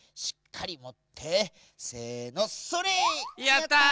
やった！